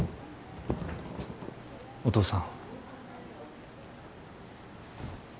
お父さん。